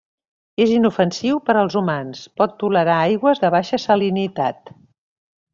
És inofensiu per als humans, pot tolerar aigües de baixa salinitat.